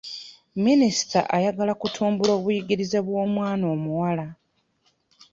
Minisita ayagala okutumbula obuyigirize bw'omwana omuwala.